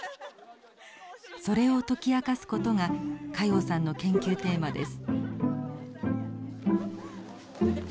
それを解き明かすことが加用さんの研究テーマです。